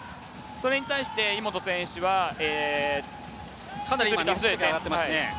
それに対して井本選手はかなり水しぶきが上がっています。